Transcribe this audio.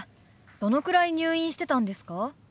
どのくらい入院してたんですか？